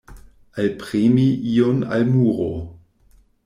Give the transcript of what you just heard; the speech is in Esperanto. Alpremi iun al muro.